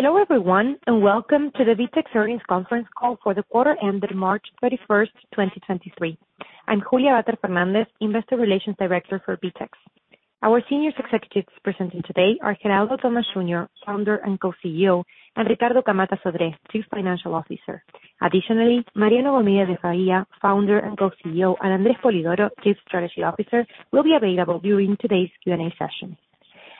Hello everyone, welcome to the VTEX Earnings Conference Call for the quarter ended March 31st, 2023. I'm Julia Vater Fernandez, Investor Relations Director for VTEX. Our senior executives presenting today are Geraldo Thomaz Jr., Founder and Co-CEO, and Ricardo Camatta Sodré, Chief Financial Officer. Additionally, Mariano Gomide de Faria, Founder and Co-CEO, and Andre Spolidoro, Chief Strategy Officer, will be available during today's Q&A session.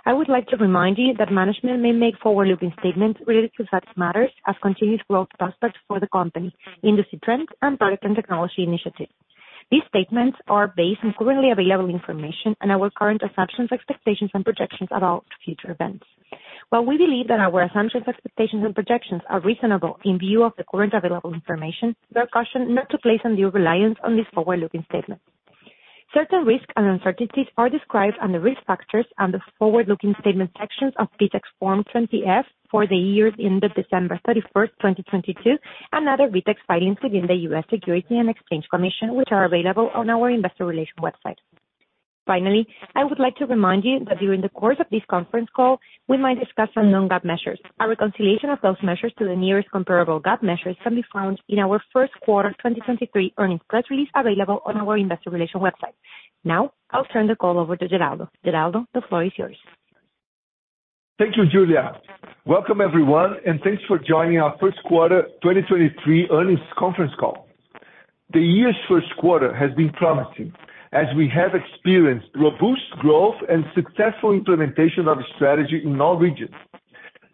I would like to remind you that management may make forward-looking statements related to such matters as continued growth prospects for the company, industry trends, and product and technology initiatives. These statements are based on currently available information and our current assumptions, expectations, and projections about future events. While we believe that our assumptions, expectations, and projections are reasonable in view of the current available information, we are cautioned not to place undue reliance on these forward-looking statements. Certain risks and uncertainties are described on the Risk Factors and the Forward-Looking Statement sections of VTEX Form 20-F for the year ended December 31st, 2022 and other VTEX filings within the U.S. Securities and Exchange Commission, which are available on our investor relations website. Finally, I would like to remind you that during the course of this conference call, we might discuss some non-GAAP measures. Our reconciliation of those measures to the nearest comparable GAAP measures can be found in our Q1 2023 earnings press release available on our investor relations website. Now, I'll turn the call over to Geraldo. Geraldo, the floor is yours. Thank you, Julia. Welcome everyone, and thanks for joining our Q1 2023 earnings conference call. The year's Q1 has been promising as we have experienced robust growth and successful implementation of strategy in all regions.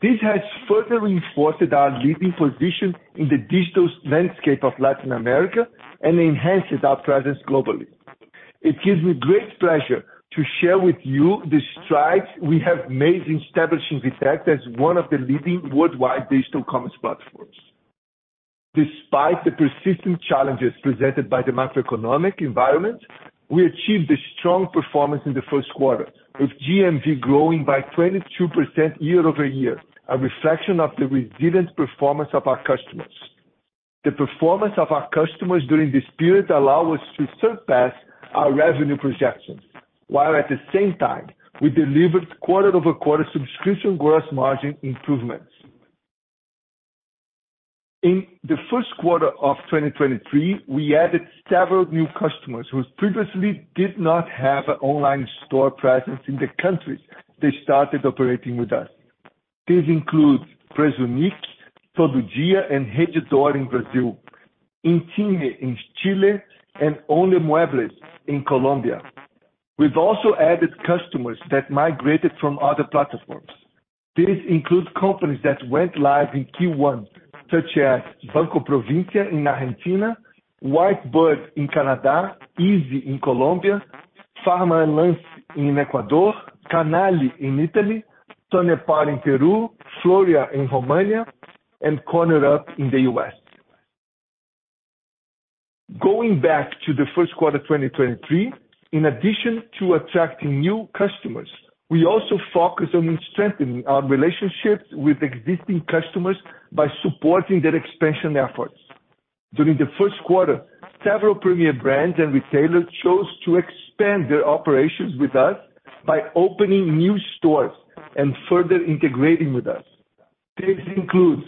This has further reinforced our leading position in the digital landscape of Latin America and enhances our presence globally. It gives me great pleasure to share with you the strides we have made in establishing VTEX as one of the leading worldwide digital commerce platforms. Despite the persistent challenges presented by the macroeconomic environment, we achieved a strong performance in the Q1, with GMV growing by 22% year-over-year, a reflection of the resilient performance of our customers. The performance of our customers during this period allow us to surpass our revenue projections, while at the same time, we delivered quarter-over-quarter subscription gross margin improvements. In the Q1 of 2023, we added several new customers who previously did not have an online store presence in the countries they started operating with us. This includes Prezunic, Todo Dia, and Rede D'Or in Brazil, Inchile in Chile, and Only Muebles in Colombia. We've also added customers that migrated from other platforms. This includes companies that went live in Q1, such as Banco Provincia in Argentina, Whitebird in Canada, Easy in Colombia, Farmaenlace in Ecuador, Canali in Italy, Tonepal in Peru, Floria in Romania, and Corner Up in the U.S. Going back to the Q1 2023, in addition to attracting new customers, we also focused on strengthening our relationships with existing customers by supporting their expansion efforts. During the Q1, several premier brands and retailers chose to expand their operations with us by opening new stores and further integrating with us. This includes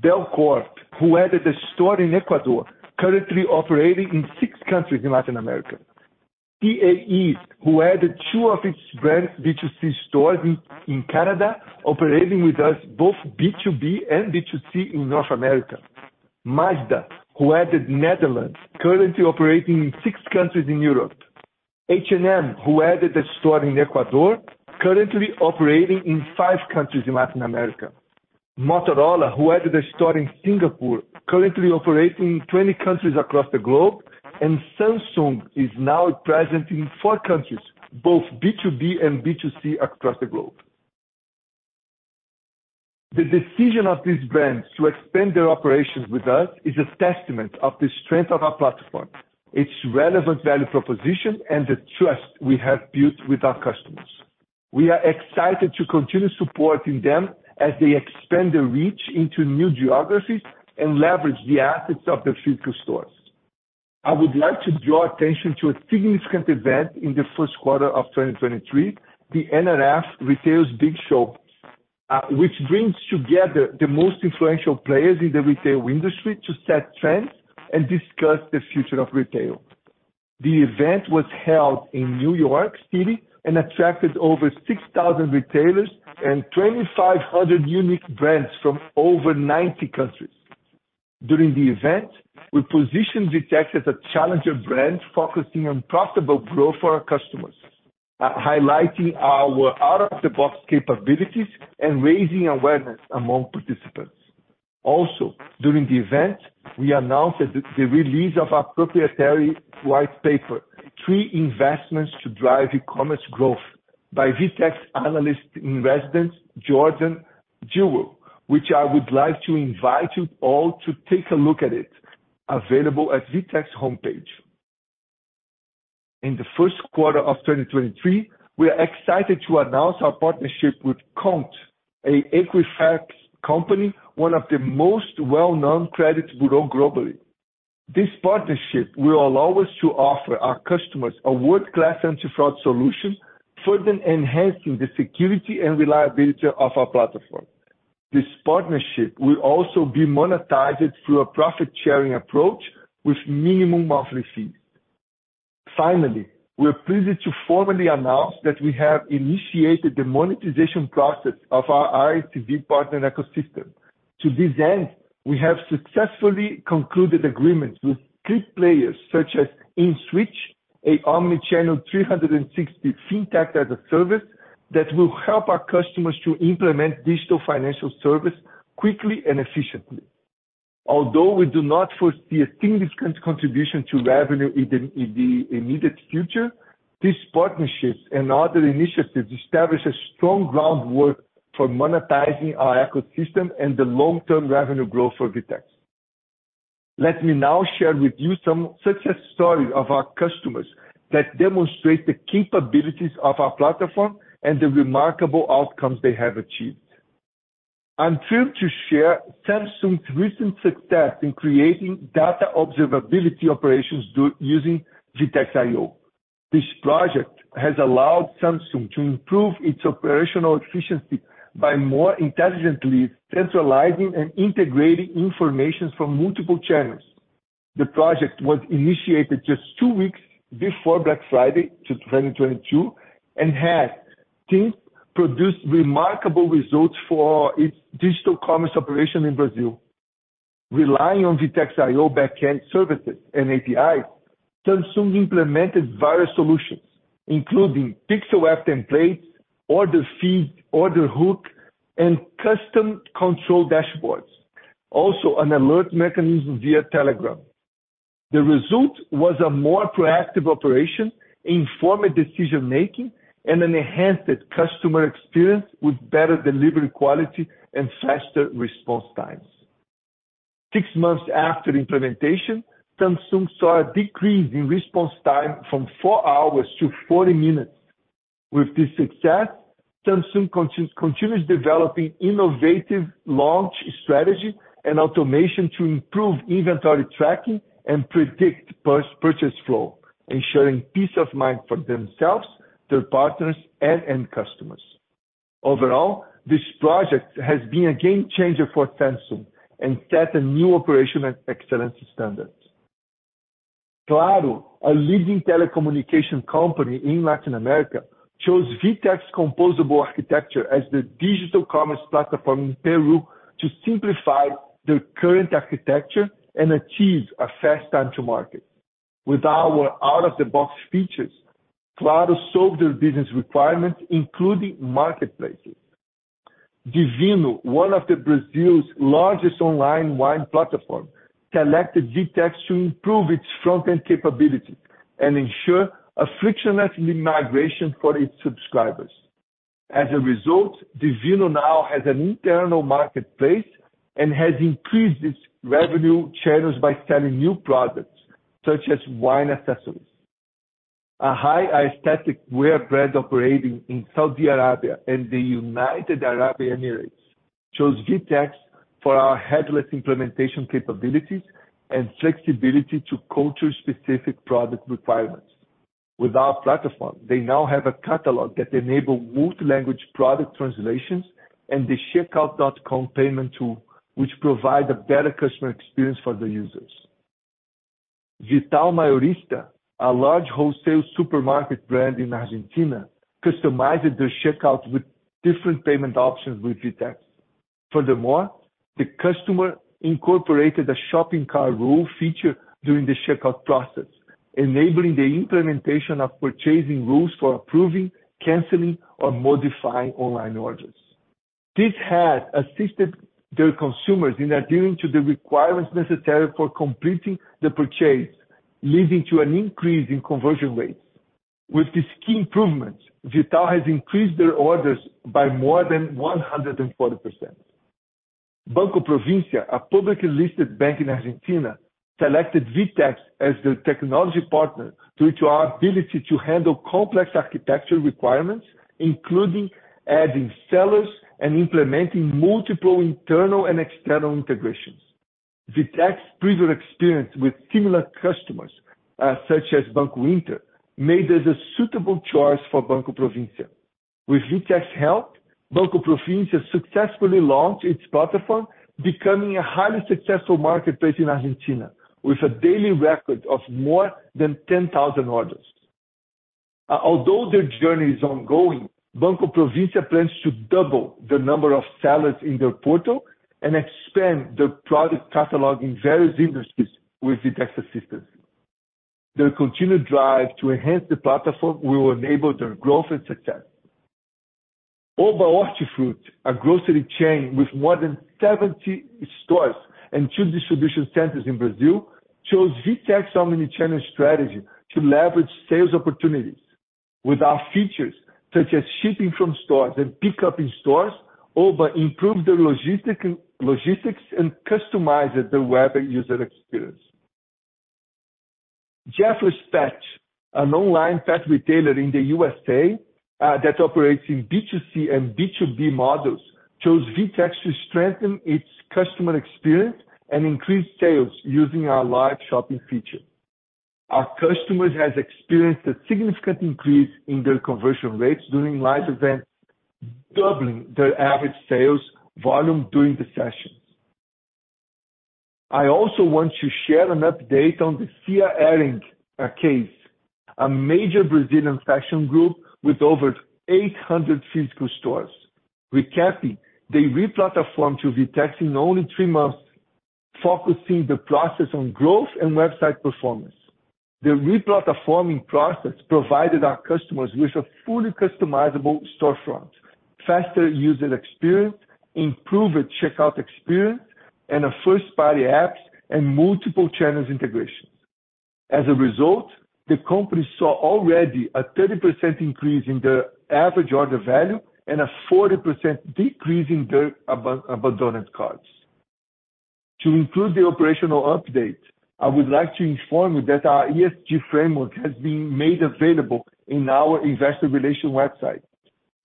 Del Cor, who added a store in Ecuador, currently operating in 6 countries in Latin America. TAE, who added 2 of its brand B2C stores in Canada, operating with us both B2B and B2C in North America. Mazda, who added Netherlands, currently operating in 6 countries in Europe. H&M, who added a store in Ecuador, currently operating in 5 countries in Latin America. Motorola, who added a store in Singapore, currently operating in 20 countries across the globe. Samsung is now present in four countries, both B2B and B2C across the globe. The decision of these brands to expand their operations with us is a testament of the strength of our platform, its relevant value proposition, and the trust we have built with our customers. We are excited to continue supporting them as they expand their reach into new geographies and leverage the assets of their future stores. I would like to draw attention to a significant event in the Q1 of 2023, the NRF Retail's Big Show, which brings together the most influential players in the retail industry to set trends and discuss the future of retail. The event was held in New York City and attracted over 6,000 retailers and 2,500 unique brands from over 90 countries. During the event, we positioned VTEX as a challenger brand focusing on profitable growth for our customers, highlighting our out-of-the-box capabilities and raising awareness among participants. Also, during the event, we announced the release of our proprietary white paper, Three Investments to Drive Ecommerce Growth by VTEX analyst in residence, Jordan Jewell, which I would like to invite you all to take a look at it, available at VTEX homepage. In the Q1 of 2023, we are excited to announce our partnership with Kount, a Equifax company, one of the most well-known credits bureau globally. This partnership will allow us to offer our customers a world-class anti-fraud solution, further enhancing the security and reliability of our platform. This partnership will also be monetized through a profit-sharing approach with minimum monthly fees. Finally, we are pleased to formally announce that we have initiated the monetization process of our ISV partner ecosystem. To this end, we have successfully concluded agreements with key players such as Inswitch, a omnichannel 360 Fintech-as-a-Service that will help our customers to implement digital financial service quickly and efficiently. Although we do not foresee a significant contribution to revenue in the immediate future, these partnerships and other initiatives establish a strong groundwork for monetizing our ecosystem and the long-term revenue growth for VTEX. Let me now share with you some success stories of our customers that demonstrate the capabilities of our platform and the remarkable outcomes they have achieved. I'm thrilled to share Samsung's recent success in creating data observability operations using VTEX IO. This project has allowed Samsung to improve its operational efficiency by more intelligently centralizing and integrating information from multiple channels. The project was initiated just 2 weeks before Black Friday to 2022, has since produced remarkable results for its digital commerce operation in Brazil. Relying on VTEX IO backend services and APIs, Samsung implemented various solutions including pixel app templates, Order Feed, Order Hook, and custom control dashboards. Also an alert mechanism via Telegram. The result was a more proactive operation, informed decision-making, and an enhanced customer experience with better delivery quality and faster response times. 6 months after the implementation, Samsung saw a decrease in response time from 4 hours to 40 minutes. With this success, Samsung continues developing innovative launch strategy and automation to improve inventory tracking and predict purchase flow, ensuring peace of mind for themselves, their partners, and end customers. Overall, this project has been a game changer for Samsung and set a new operational excellence standard. Claro, a leading telecommunication company in Latin America, chose VTEX composable architecture as the digital commerce platform in Peru to simplify their current architecture and achieve a fast time to market. With our out-of-the-box features, Claro solved their business requirements, including marketplaces. Divino, one of the Brazil's largest online wine platform, selected VTEX to improve its front-end capability and ensure a frictionless migration for its subscribers. As a result, Divino now has an internal marketplace and has increased its revenue channels by selling new products such as wine accessories. A high aesthetic wear brand operating in Saudi Arabia and the United Arab Emirates chose VTEX for our headless implementation capabilities and flexibility to culture-specific product requirements. With our platform, they now have a catalog that enable multi-language product translations and the Checkout.com payment tool which provide a better customer experience for the users. Supermayorista Vital, a large wholesale supermarket brand in Argentina, customized their checkout with different payment options with VTEX. Furthermore, the customer incorporated a shopping cart rule feature during the checkout process, enabling the implementation of purchasing rules for approving, canceling, or modifying online orders. This has assisted their consumers in adhering to the requirements necessary for completing the purchase, leading to an increase in conversion rates. With these key improvements, Vital has increased their orders by more than 140%. Banco Provincia, a publicly listed bank in Argentina, selected VTEX as their technology partner due to our ability to handle complex architecture requirements, including adding sellers and implementing multiple internal and external integrations. VTEX previous experience with similar customers, such as Banco Inter, made us a suitable choice for Banco Provincia. With VTEX help, Banco Provincia successfully launched its platform, becoming a highly successful marketplace in Argentina with a daily record of more than 10,000 orders. Although their journey is ongoing, Banco Provincia plans to double the number of sellers in their portal and expand their product catalog in various industries with VTEX assistance. Their continued drive to enhance the platform will enable their growth and success. Oba Hortifruti, a grocery chain with more than 70 stores and 2 distribution centers in Brazil, chose VTEX omnichannel strategy to leverage sales opportunities. With our features such as shipping from stores and pickup in stores, Oba improved their logistics and customized the web user experience. Jeffers Pet, an online pet retailer in the USA, that operates in B2C and B2B models, chose VTEX to strengthen its customer experience and increase sales using our live shopping feature. Our customers has experienced a significant increase in their conversion rates during live events, doubling their average sales volume during the sessions. I also want to share an update on the Cia. Hering case, a major Brazilian fashion group with over 800 physical stores. Recapping, they re-platformed to VTEX in only three months, focusing the process on growth and website performance. The re-platforming process provided our customers with a fully customizable storefront, faster user experience, improved checkout experience, and a first party apps and multiple channels integration. As a result, the company saw already a 30% increase in their average order value and a 40% decrease in their abandoned carts. To include the operational update, I would like to inform you that our ESG framework has been made available in our investor relation website,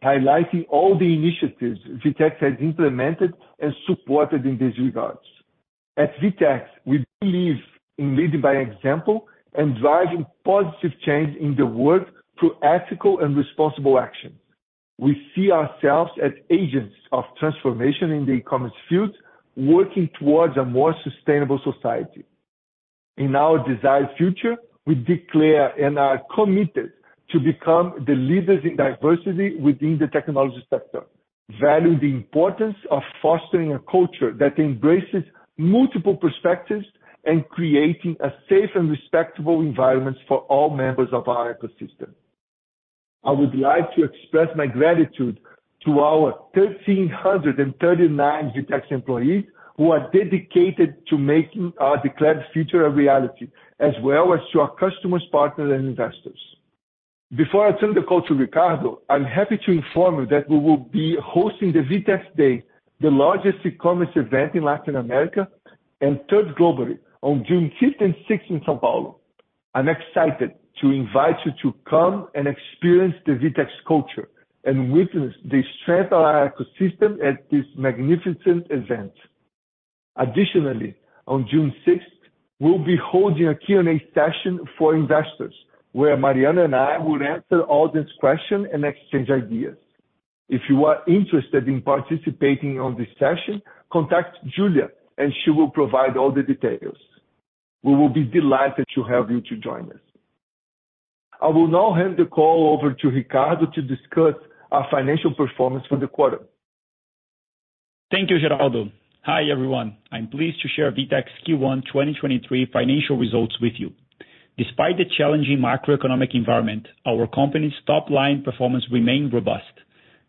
highlighting all the initiatives VTEX has implemented and supported in these regards. At VTEX, we believe in leading by example and driving positive change in the world through ethical and responsible actions. We see ourselves as agents of transformation in the e-commerce field, working towards a more sustainable society. In our desired future, we declare and are committed to become the leaders in diversity within the technology sector, value the importance of fostering a culture that embraces multiple perspectives, and creating a safe and respectable environment for all members of our ecosystem. I would like to express my gratitude to our 1,339 VTEX employees who are dedicated to making our declared future a reality, as well as to our customers, partners, and investors. Before I turn the call to Ricardo, I'm happy to inform you that we will be hosting the VTEX DAY, the largest ecommerce event in Latin America, and third globally on June fifth and sixth in São Paulo. I'm excited to invite you to come and experience the VTEX culture and witness the strength of our ecosystem at this magnificent event. Additionally, on June sixth, we'll be holding a Q&A session for investors, where Mariano and I will answer all these question and exchange ideas. If you are interested in participating on this session, contact Julia, and she will provide all the details. We will be delighted to have you to join us. I will now hand the call over to Ricardo to discuss our financial performance for the quarter. Thank you, Geraldo. Hi, everyone. I'm pleased to share VTEX Q1 2023 financial results with you. Despite the challenging macroeconomic environment, our company's top-line performance remained robust.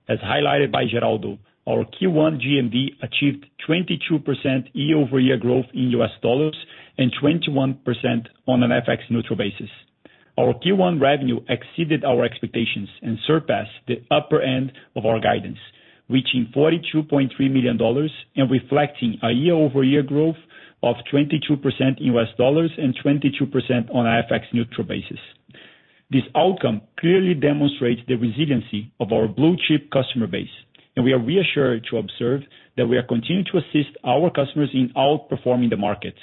As highlighted by Geraldo, our Q1 GMV achieved 22% year-over-year growth in US dollars and 21% on an FX neutral basis. Our Q1 revenue exceeded our expectations and surpassed the upper end of our guidance, reaching $42.3 million and reflecting a year-over-year growth of 22% US dollars and 22% on FX neutral basis. This outcome clearly demonstrates the resiliency of our blue chip customer base, and we are reassured to observe that we are continuing to assist our customers in outperforming the market.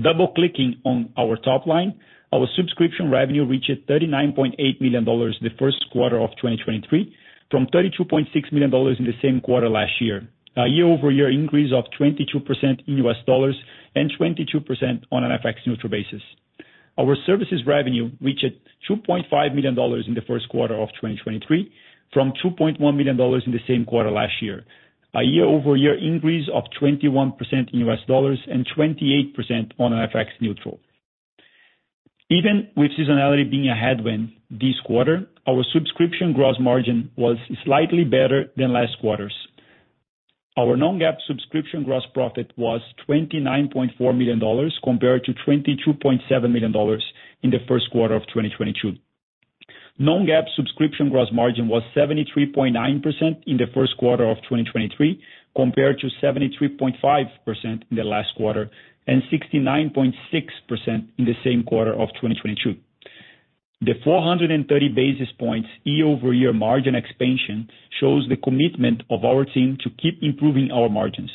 Double-clicking on our top-line, our subscription revenue reached $39.8 million the Q1 of 2023, from $32.6 million in the same quarter last year. A year-over-year increase of 22% in US dollars and 22% on an FX neutral basis. Our services revenue reached $2.5 million in the Q1 of 2023, from $2.1 million in the same quarter last year. A year-over-year increase of 21% in US dollars and 28% on FX neutral. Even with seasonality being a headwind this quarter, our subscription gross margin was slightly better than last quarter's. Our non-GAAP subscription gross profit was $29.4 million compared to $22.7 million in the Q1 of 2022. Non-GAAP subscription gross margin was 73.9% in the Q1 of 2023, compared to 73.5% in the last quarter and 69.6% in the same quarter of 2022. The 430 basis points year-over-year margin expansion shows the commitment of our team to keep improving our margins.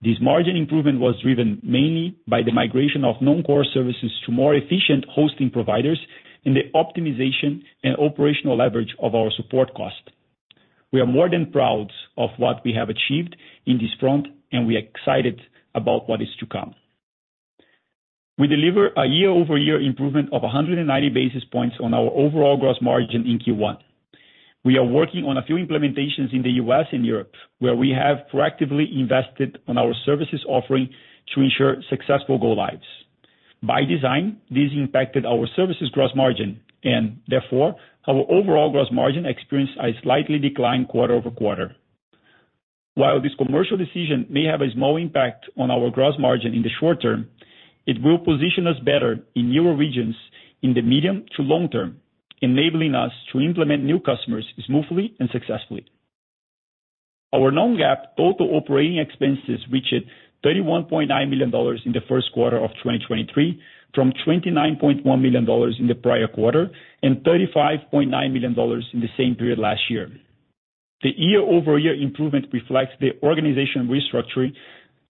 This margin improvement was driven mainly by the migration of non-core services to more efficient hosting providers and the optimization and operational leverage of our support cost. We are more than proud of what we have achieved in this front, and we are excited about what is to come. We deliver a year-over-year improvement of 190 basis points on our overall gross margin in Q1. We are working on a few implementations in the US and Europe, where we have proactively invested on our services offering to ensure successful go lives. By design, this impacted our services gross margin and therefore our overall gross margin experienced a slightly decline quarter-over-quarter. While this commercial decision may have a small impact on our gross margin in the short term, it will position us better in newer regions in the medium to long term, enabling us to implement new customers smoothly and successfully. Our non-GAAP total operating expenses reached $31.9 million in the Q1 of 2023, from $29.1 million in the prior quarter and $35.9 million in the same period last year. The year-over-year improvement reflects the organization restructuring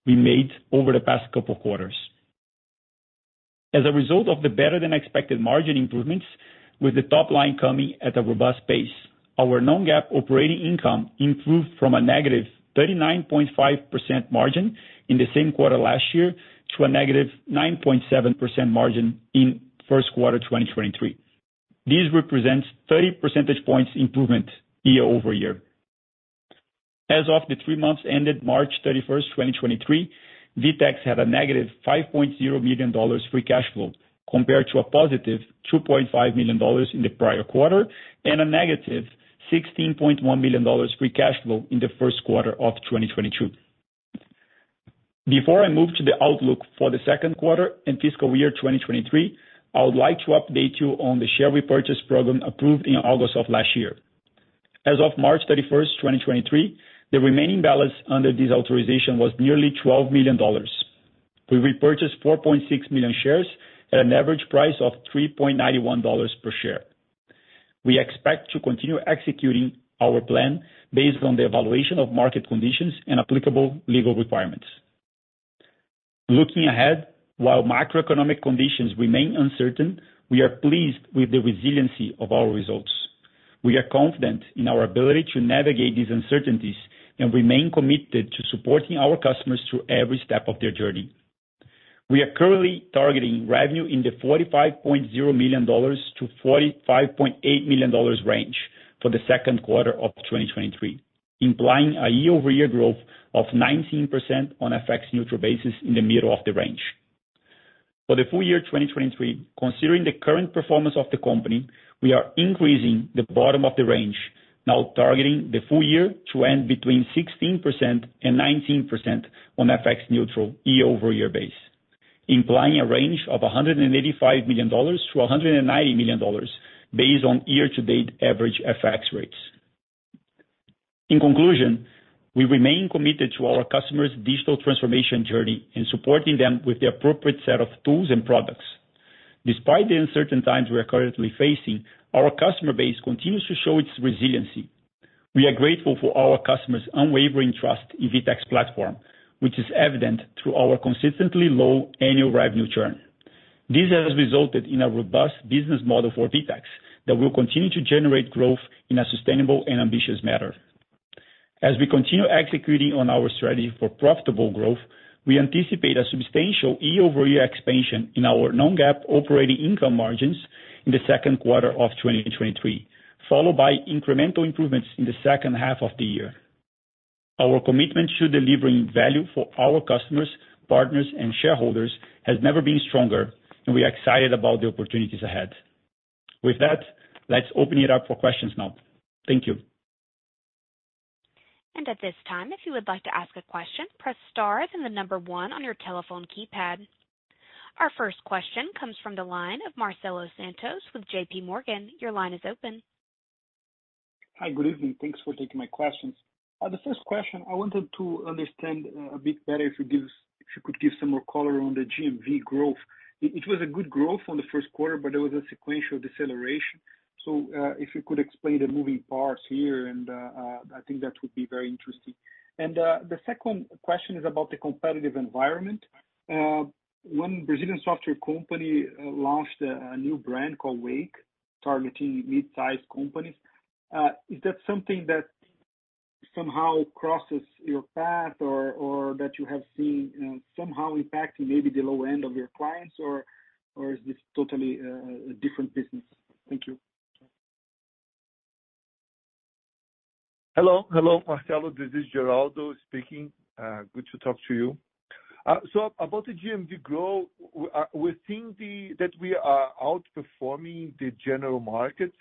we made over the past couple quarters. As a result of the better than expected margin improvements, with the top line coming at a robust pace, our non-GAAP operating income improved from a negative 39.5% margin in the same quarter last year to a negative 9.7% margin in Q1 2023. This represents 30 percentage points improvement year-over-year. As of the 3 months ended March 31st, 2023, VTEX had a negative $5.0 million free cash flow compared to a positive $2.5 million in the prior quarter, and a negative $16.1 million free cash flow in the Q1 of 2022. Before I move to the outlook for the Q2 and fiscal year 2023, I would like to update you on the share repurchase program approved in August of last year. As of March 31st, 2023, the remaining balance under this authorization was nearly $12 million. We repurchased 4.6 million shares at an average price of $3.91 per share. We expect to continue executing our plan based on the evaluation of market conditions and applicable legal requirements. Looking ahead, while macroeconomic conditions remain uncertain, we are pleased with the resiliency of our results. We are confident in our ability to navigate these uncertainties and remain committed to supporting our customers through every step of their journey. We are currently targeting revenue in the $45.0 million-$45.8 million range for the Q2 of 2023, implying a year-over-year growth of 19% on FX neutral basis in the middle of the range. For the full year 2023, considering the current performance of the company, we are increasing the bottom of the range now targeting the full year to end between 16% and 19% on FX neutral year-over-year base, implying a range of $185 million-$190 million based on year-to-date average FX rates. In conclusion, we remain committed to our customers' digital transformation journey and supporting them with the appropriate set of tools and products. Despite the uncertain times we are currently facing, our customer base continues to show its resiliency. We are grateful for our customers' unwavering trust in VTEX platform, which is evident through our consistently low annual revenue churn. This has resulted in a robust business model for VTEX that will continue to generate growth in a sustainable and ambitious manner. As we continue executing on our strategy for profitable growth, we anticipate a substantial year-over-year expansion in our non-GAAP operating income margins in the Q2 of 2023, followed by incremental improvements in the second half of the year. Our commitment to delivering value for our customers, partners, and shareholders has never been stronger, and we are excited about the opportunities ahead. With that, let's open it up for questions now. Thank you. At this time, if you would like to ask a question, press star then 1oneon your telephone keypad. Our first question comes from the line of Marcelo Santos with JPMorgan. Your line is open. Hi. Good evening. Thanks for taking my questions. The first question, I wanted to understand a bit better if you could give some more color on the GMV growth. It was a good growth on the Q1. There was a sequential deceleration. If you could explain the moving parts here, I think that would be very interesting. The second question is about the competitive environment. One Brazilian software company launched a new brand called Wake, targeting mid-sized companies. Is that something that somehow crosses your path or that you have seen somehow impacting maybe the low end of your clients or is this totally a different business? Thank you. Hello. Hello, Marcelo. This is Geraldo speaking. Good to talk to you. About the GMV growth, we're seeing that we are outperforming the general market.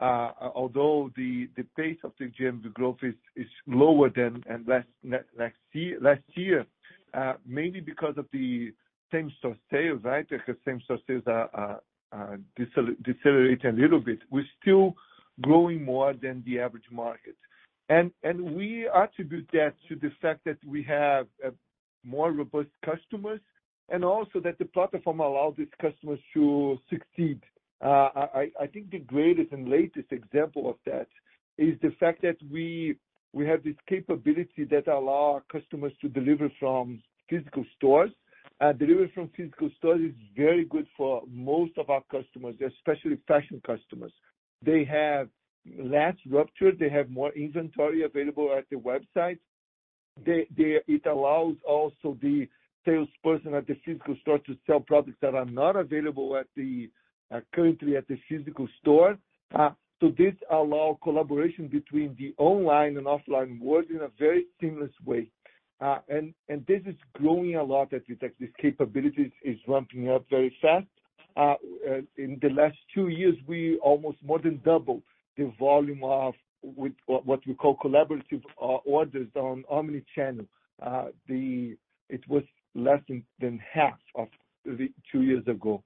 Although the pace of the GMV growth is lower than last year, mainly because of the same store sales, right? Same store sales are decelerating a little bit. We're still growing more than the average market. We attribute that to the fact that we have more robust customers, and also that the platform allows these customers to succeed. I think the greatest and latest example of that is the fact that we have this capability that allow our customers to deliver from physical stores. Deliver from physical stores is very good for most of our customers, especially fashion customers. They have less rupture. They have more inventory available at the website. They. It allows also the salesperson at the physical store to sell products that are not available at the currently at the physical store. This allow collaboration between the online and offline world in a very seamless way. This is growing a lot at VTEX. This capability is ramping up very fast. In the last two years, we almost more than doubled the volume of what we call collaborative orders on omni-channel. It was less than half of the two years ago.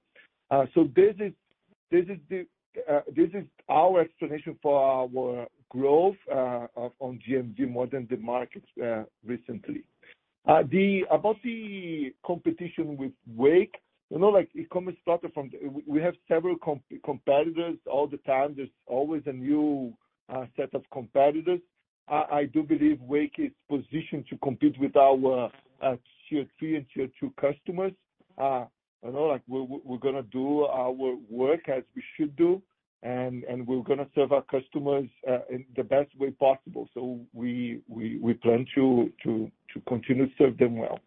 This is This is the, this is our explanation for our growth on GMV more than the markets recently. About the competition with Wake, you know, like e-commerce started from... We have several competitors all the time. There's always a new set of competitors. I do believe Wake is positioned to compete with our tier three and tier two customers. We're gonna do our work as we should do, and we're gonna serve our customers in the best way possible. We plan to continue to serve them well.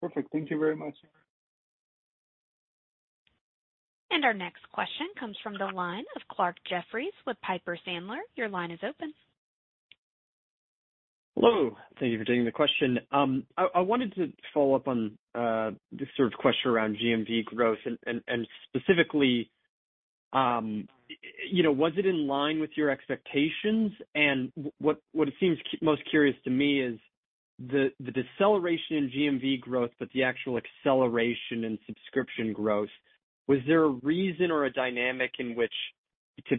Perfect. Thank you very much. Our next question comes from the line of Clarke Jeffries with Piper Sandler. Your line is open. Hello. Thank you for taking the question. I wanted to follow up on this sort of question around GMV growth and specifically, was it in line with your expectations? What seems most curious to me is the deceleration in GMV growth, but the actual acceleration in subscription growth. Was there a reason or a dynamic in which a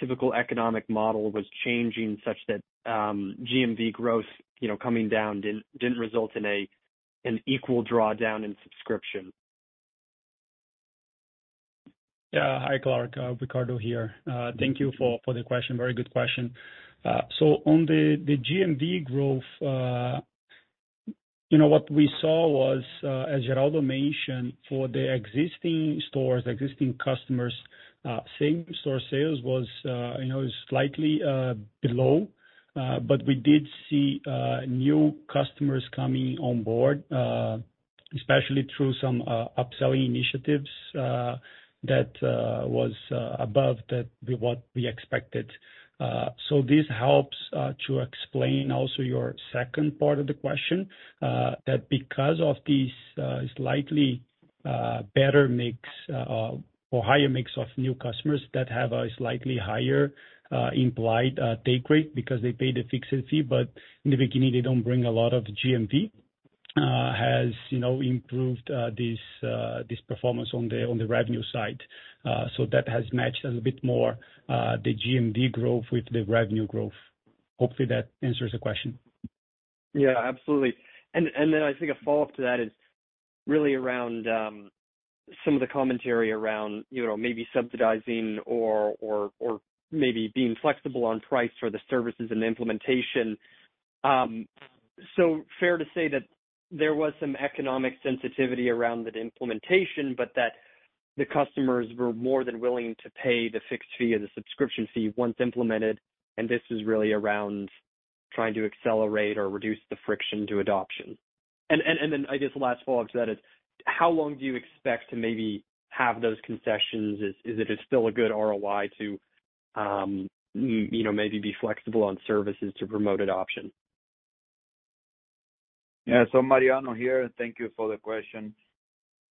typical economic model was changing such that GMV growth coming down didn't result in an equal drawdown in subscription? Yeah. Hi, Clark. Ricardo here. Thank you for the question. Very good question. On the GMV growth, you know, what we saw was, as Geraldo mentioned, for the existing stores, existing customers, same store sales was, you know, slightly below. We did see new customers coming on board, especially through some upselling initiatives, that was above the, what we expected. This helps to explain also your second part of the question, that because of this, slightly better mix or higher mix of new customers that have a slightly higher implied take rate because they pay the fixed fee, but in the beginning they don't bring a lot of GMV, has, you know, improved this performance on the revenue side. That has matched a bit more the GMV growth with the revenue growth. Hopefully, that answers the question? Yeah, absolutely. Then I think a follow-up to that is really around some of the commentary around, you know, maybe subsidizing or maybe being flexible on price for the services and the implementation. Fair to say that there was some economic sensitivity around the implementation, but that the customers were more than willing to pay the fixed fee or the subscription fee once implemented. This is really around trying to accelerate or reduce the friction to adoption. Then I guess the last follow-up to that is how long do you expect to maybe have those concessions? Is it still a good ROI to, you know, maybe be flexible on services to promote adoption? Mariano here. Thank you for the question.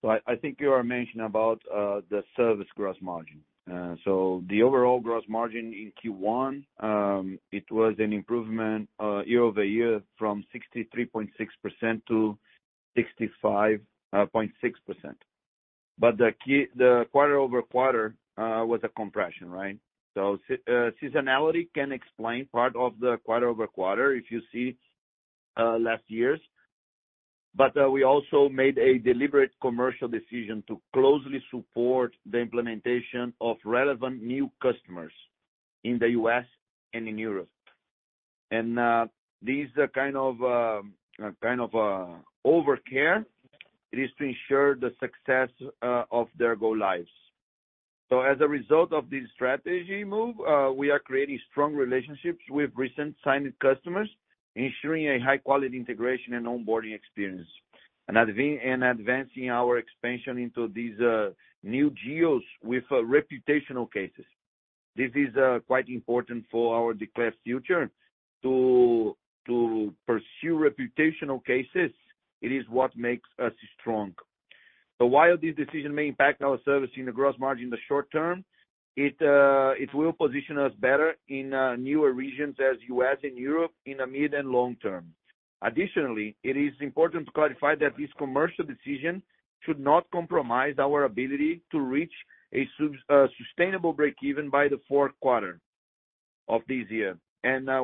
I think you are mentioning about the service gross margin. The overall gross margin in Q1, it was an improvement year-over-year from 63.6% to 65.6%. The quarter-over-quarter was a compression, right? Seasonality can explain part of the quarter-over-quarter if you see last year's. We also made a deliberate commercial decision to closely support the implementation of relevant new customers in the U.S. and in Europe. This kind of overcare, it is to ensure the success of their go lives. As a result of this strategy move, we are creating strong relationships with recent signed customers, ensuring a high quality integration and onboarding experience, and advancing our expansion into these new geos with reputational cases. This is quite important for our declared future to pursue reputational cases, it is what makes us strong. While this decision may impact our service in the gross margin in the short term, it will position us better in newer regions as U.S. and Europe in the mid and long term. Additionally, it is important to clarify that this commercial decision should not compromise our ability to reach a sustainable break even by the Q4 of this year.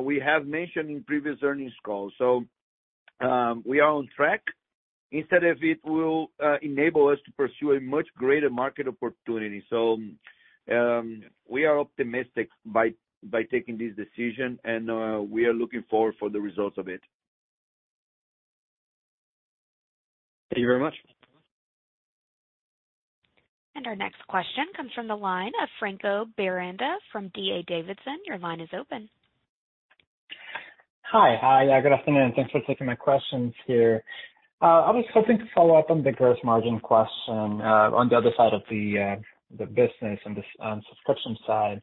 We have mentioned in previous earnings calls, we are on track. Instead of it will enable us to pursue a much greater market opportunity. We are optimistic by taking this decision, and we are looking forward for the results of it. Thank you very much. Our next question comes from the line of Franco Granda from D.A. Davidson. Your line is open. Hi. Hi. Good afternoon. Thanks for taking my questions here. I was hoping to follow up on the gross margin question, on the other side of the business on the subscription side.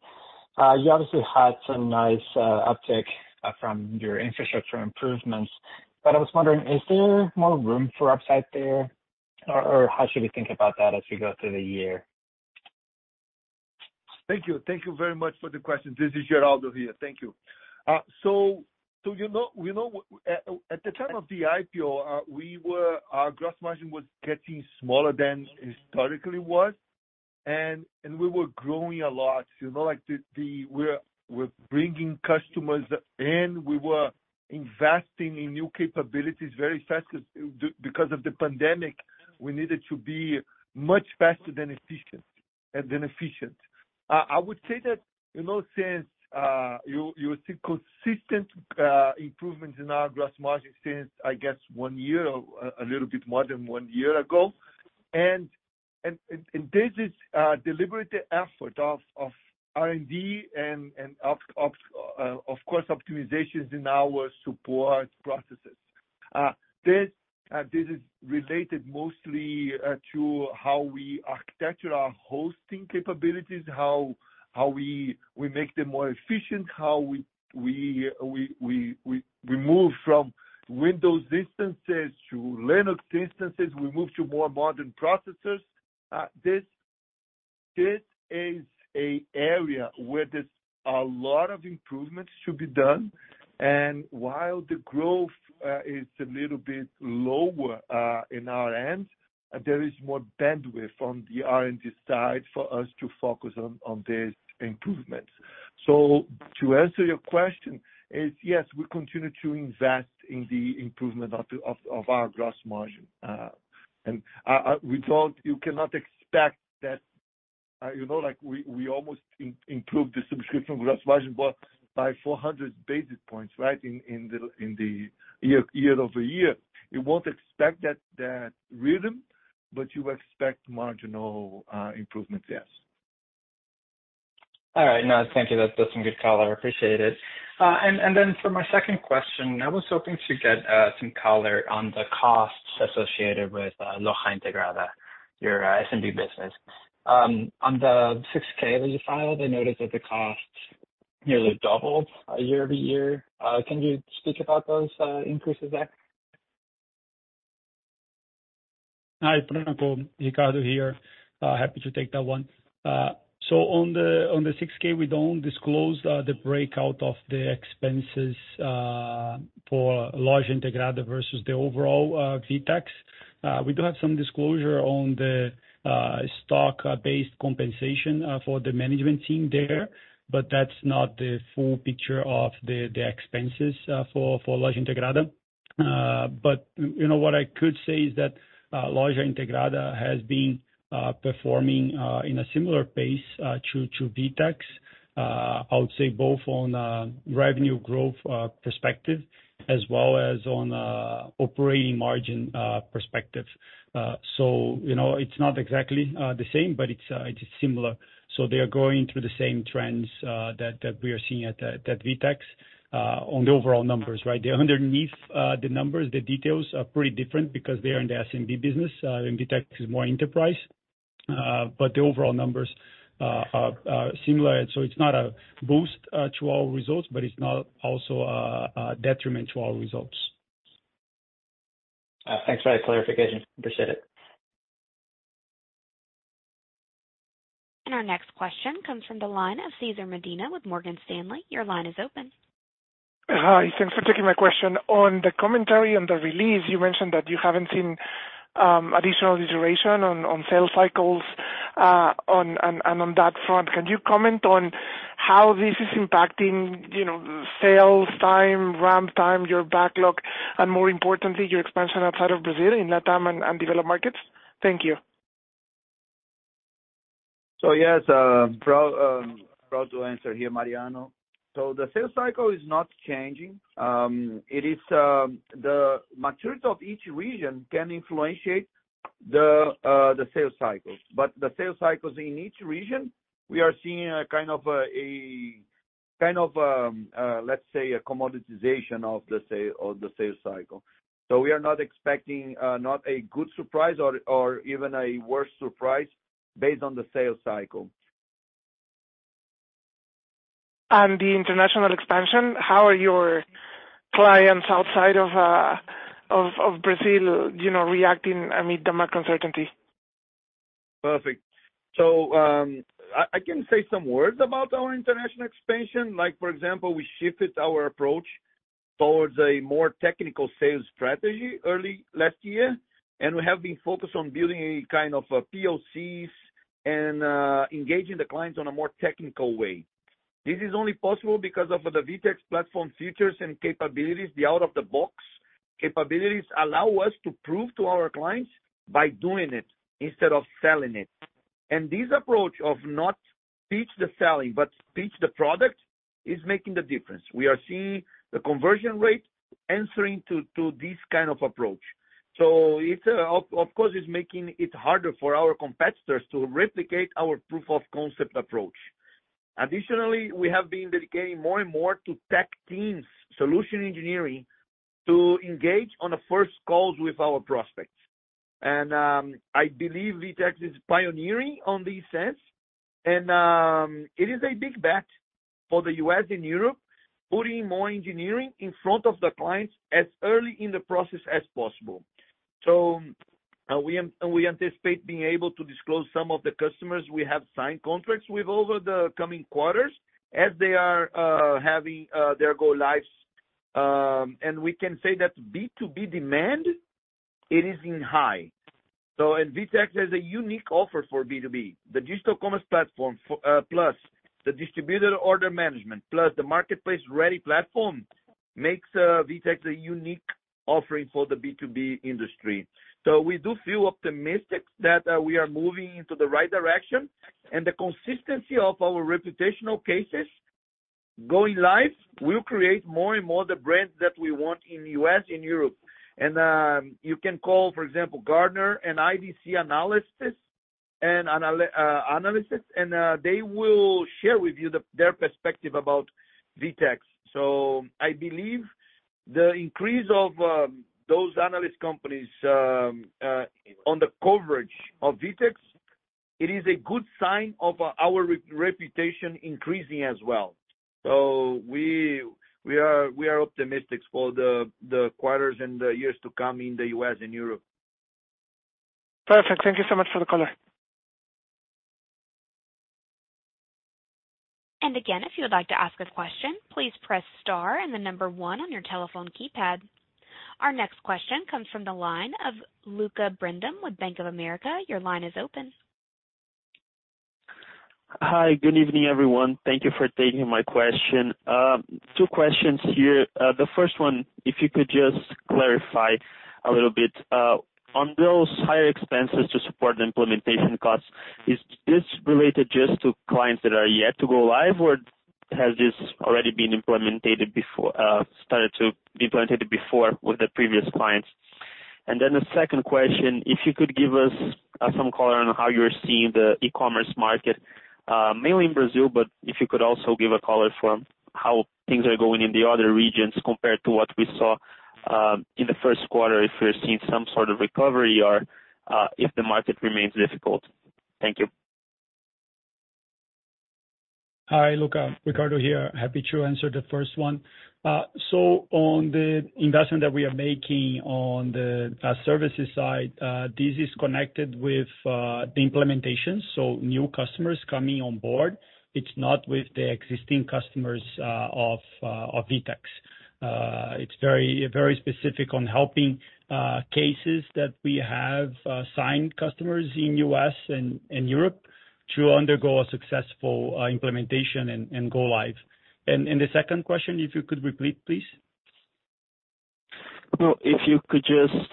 You obviously had some nice uptick from your infrastructure improvements, but I was wondering, is there more room for upside there? How should we think about that as we go through the year? Thank you. Thank you very much for the question. This is Geraldo here. Thank you. You know, we know at the time of the IPO, Our gross margin was getting smaller than historically was. We were growing a lot, you know, like we're bringing customers in, we were investing in new capabilities very fast because of the pandemic, we needed to be much faster than efficient. I would say that, you know, since you see consistent improvements in our gross margin since, I guess 1 year, a little bit more than 1 year ago. This is deliberate effort of R&D and of course, optimizations in our support processes. This is related mostly to how we architecture our hosting capabilities, how we make them more efficient, how we move from Windows instances to Linux instances, we move to more modern processes. This is an area where there's a lot of improvements to be done. And while the growth is a little bit lower in our end, there is more bandwidth on the R&D side for us to focus on these improvements. So to answer your question is, yes, we continue to invest in the improvement of our gross margin. And we don't— You cannot expect that, you know, like we almost improve the subscription gross margin by 400 basis points, right? In the year-over-year. You won't expect that rhythm, but you expect marginal improvement, yes. All right. No, thank you. That's some good color. I appreciate it. Then for my second question, I was hoping to get some color on the costs associated with Loja Integrada, your SMB business. On the 6-K that you filed, I noticed that the costs nearly doubled year-over-year. Can you speak about those increases back? Hi, Franco. Ricardo here. Happy to take that one. On the 6-K, we don't disclose the breakout of the expenses for Loja Integrada versus the overall VTEX. We do have some disclosure on the stock-based compensation for the management team there, but that's not the full picture of the expenses for Loja Integrada. You know, what I could say is that Loja Integrada has been performing in a similar pace to VTEX, I would say both on revenue growth perspective as well as on operating margin perspective. You know, it's not exactly the same, but it is similar. They are going through the same trends that we are seeing at VTEX on the overall numbers, right? The underneath, the numbers, the details are pretty different because they are in the SMB business and VTEX is more enterprise, but the overall numbers are similar. It's not a boost to our results, but it's not also detriment to our results. Thanks for that clarification. Appreciate it. Our next question comes from the line of Cesar Medina with Morgan Stanley. Your line is open. Hi. Thanks for taking my question. On the commentary on the release, you mentioned that you haven't seen additional duration on sales cycles. On that front, can you comment on how this is impacting, you know, sales time, ramp time, your backlog, and more importantly, your expansion outside of Brazil in LatAm and developed markets? Thank you. Yes, proud to answer here, Mariano. The sales cycle is not changing. It is, the maturity of each region can influence the sales cycles. The sales cycles in each region, we are seeing a kind of a kind of, let's say, a commoditization of the sales cycle. We are not expecting not a good surprise or even a worse surprise based on the sales cycle. The international expansion, how are your clients outside of Brazil, you know, reacting amid the market uncertainty? Perfect. I can say some words about our international expansion. Like, for example, we shifted our approach towards a more technical sales strategy early last year, and we have been focused on building a kind of a POCs and engaging the clients on a more technical way. This is only possible because of the VTEX platform features and capabilities. The out-of-the-box capabilities allow us to prove to our clients by doing it instead of selling it. This approach of not pitch the selling, but pitch the product, is making the difference. We are seeing the conversion rate answering to this kind of approach. It, of course, is making it harder for our competitors to replicate our proof of concept approach. Additionally, we have been dedicating more and more to tech teams, solution engineering, to engage on the first calls with our prospects. I believe VTEX is pioneering on this sense, and it is a big bet for the US and Europe, putting more engineering in front of the clients as early in the process as possible. We anticipate being able to disclose some of the customers we have signed contracts with over the coming quarters as they are having their go lives. We can say that B2B demand, it is in high. VTEX has a unique offer for B2B. The digital commerce platform plus the distributor order management, plus the marketplace-ready platform makes VTEX a unique offering for the B2B industry. We do feel optimistic that we are moving into the right direction, and the consistency of our reputational cases going live will create more and more the brands that we want in U.S. and Europe. You can call, for example, Gartner and IDC analysis and analysis, and they will share with you their perspective about VTEX. I believe the increase of those analyst companies on the coverage of VTEX, it is a good sign of our reputation increasing as well. We are optimistic for the quarters and the years to come in the U.S. and Europe. Perfect. Thank you so much for the color. Again, if you would like to ask a question, please press star and the number one on your telephone keypad. Our next question comes from the line of Lucca Brendim with Bank of America. Your line is open. Hi. Good evening, everyone. Thank you for taking my question. 2 questions here. The first one, if you could just clarify a little bit on those higher expenses to support the implementation costs, is this related just to clients that are yet to go live, or has this already been started to be implemented before with the previous clients? The second question, if you could give us some color on how you're seeing the e-commerce market, mainly in Brazil, but if you could also give a color for how things are going in the other regions compared to what we saw in the 1st quarter, if we're seeing some sort of recovery or if the market remains difficult. Thank you. Hi, Lucca. Ricardo here. Happy to answer the first one. On the investment that we are making on the services side, this is connected with the implementation, so new customers coming on board. It's not with the existing customers of VTEX. It's very, very specific on helping cases that we have signed customers in U.S. and Europe to undergo a successful implementation and go live. The second question, if you could repeat, please. If you could just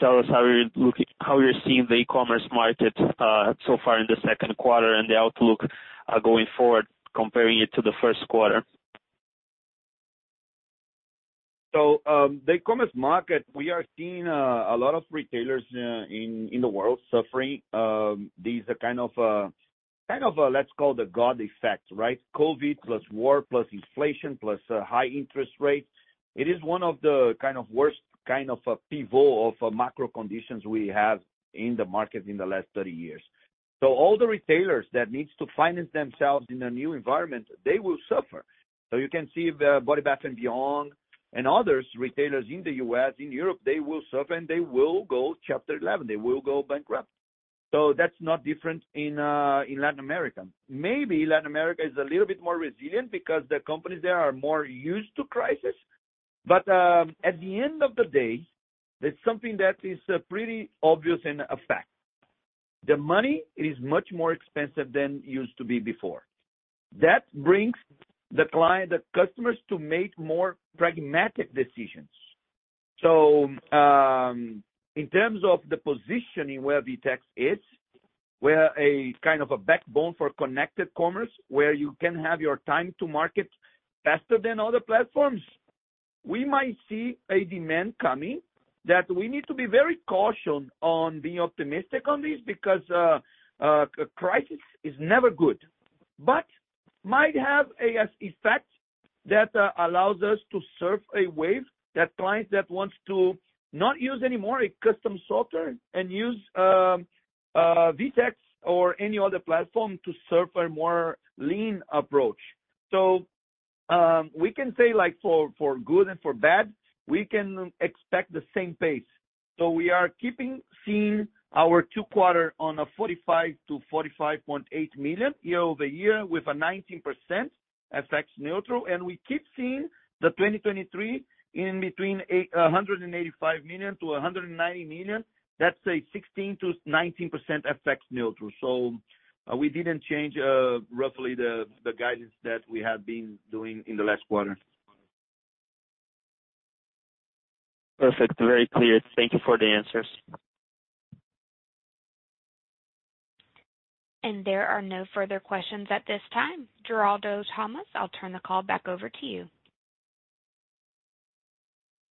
tell us how you're seeing the e-commerce market so far in the Q2 and the outlook going forward comparing it to the Q1. The e-commerce market, we are seeing a lot of retailers in the world suffering these let's call the GOD effect, right? COVID plus war plus inflation plus high interest rates. It is one of the worst pivot of macro conditions we have in the market in the last 30 years. All the retailers that needs to finance themselves in a new environment, they will suffer. You can see the Bed Bath & Beyond and others retailers in the U.S., in Europe, they will suffer, and they will go Chapter 11. They will go bankrupt. That's not different in Latin America. Maybe Latin America is a little bit more resilient because the companies there are more used to crisis. At the end of the day, that's something that is pretty obvious and a fact. The money is much more expensive than it used to be before. That brings the client, the customers to make more pragmatic decisions. In terms of the positioning where VTEX is, we're a kind of a backbone for connected commerce, where you can have your time to market faster than other platforms. We might see a demand coming that we need to be very cautioned on being optimistic on this because crisis is never good, but might have a as effect that allows us to surf a wave, that clients that wants to not use anymore a custom software and use VTEX or any other platform to surf a more lean approach. We can say like for good and for bad, we can expect the same pace. We are keeping seeing our Q2 on a $45 million-$45.8 million year-over-year with a 19% FX neutral, and we keep seeing the 2023 in between $185 million-$190 million. That's a 16%-19% FX neutral. We didn't change roughly the guidance that we have been doing in the last quarter. Perfect. Very clear. Thank you for the answers. There are no further questions at this time. Geraldo Thomaz, I'll turn the call back over to you.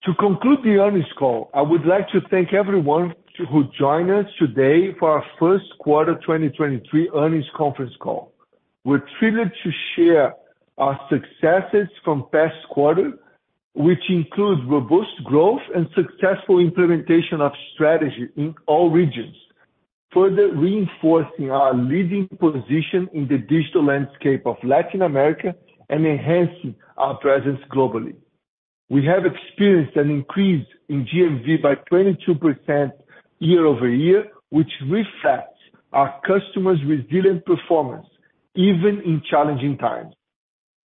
To conclude the earnings call, I would like to thank everyone who joined us today for our Q1 2023 earnings conference call. We're thrilled to share our successes from past quarter, which includes robust growth and successful implementation of strategy in all regions, further reinforcing our leading position in the digital landscape of Latin America and enhancing our presence globally. We have experienced an increase in GMV by 22% year-over-year, which reflects our customers' resilient performance even in challenging times.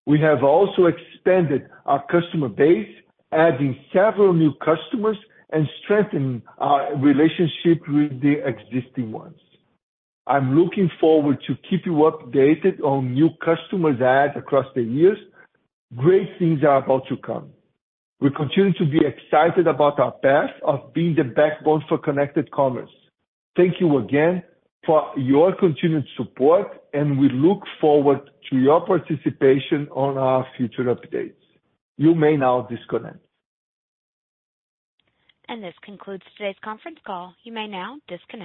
We have also expanded our customer base, adding several new customers, and strengthened our relationship with the existing ones. I'm looking forward to keep you updated on new customers added across the years. Great things are about to come. We continue to be excited about our path of being the backbone for connected commerce. Thank you again for your continued support, and we look forward to your participation on our future updates. You may now disconnect. This concludes today's conference call. You may now disconnect.